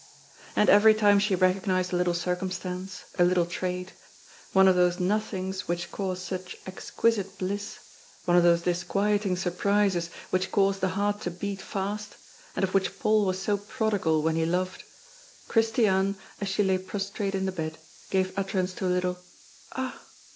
And every time she recognized a little circumstance, a little trait, one of those nothings which cause such exquisite bliss, one of those disquieting surprises which cause the heart to beat fast, and of which Paul was so prodigal when he loved, Christiane, as she lay prostrate in the bed, gave utterance to a little "Ah!"